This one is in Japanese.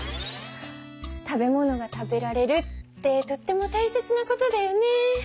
食べ物が食べられるってとっても大切なことだよね。